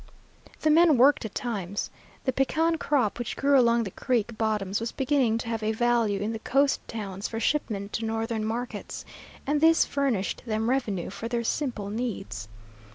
The men worked at times. The pecan crop which grew along the creek bottoms was beginning to have a value in the coast towns for shipment to northern markets, and this furnished them revenue for their simple needs.